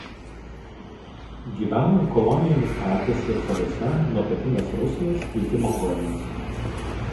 Gyvena kolonijomis pelkėse ir salose nuo pietinės Rusijos iki Mongolijos.